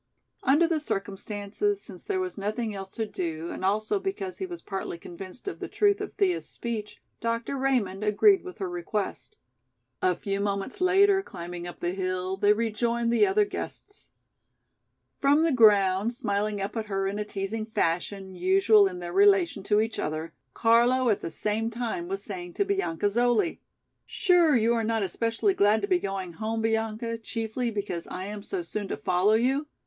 Under the circumstances, since there was nothing else to do and also because he was partly convinced of the truth of Thea's speech, Dr. Raymond agreed with her request. A few moments later, climbing up the hill, they rejoined the other guests. From the ground, smiling up at her in a teasing fashion usual in their relation to each other, Carlo at the same time was saying to Bianca Zoli: "Sure you are not especially glad to be going home, Bianca, chiefly because I am so soon to follow you?